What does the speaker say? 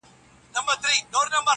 • ستا خيال وفكر او يو څو خـــبـــري.